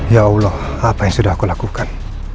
ya allah apa yang sudah aku lakukan